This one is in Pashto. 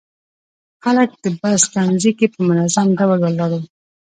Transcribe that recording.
خلک د بس تمځي کې په منظم ډول ولاړ وو.